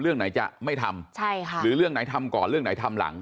เรื่องไหนจะไม่ทำใช่ค่ะหรือเรื่องไหนทำก่อนเรื่องไหนทำหลัง